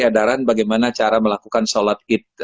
adaran bagaimana cara melakukan sholat id